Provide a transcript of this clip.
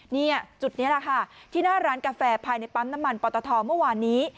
เนี่ยจุดนี้แหละค่ะที่หน้าร้านกาแฟภายในปั๊มน้ำมันปอตทเมื่อวานนี้